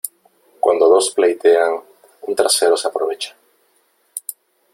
Cuando dos pleitean un tercero se aprovecha.